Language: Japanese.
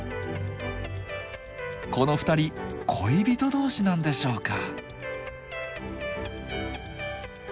この２人恋人同士なんでしょうか？